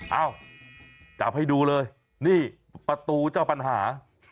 เอ้าจับให้ดูเลยนี่ประตูเจ้าปัญหา